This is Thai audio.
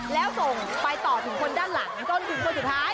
แล้วส่งไปต่อถึงคนด้านหลังจนถึงคนสุดท้าย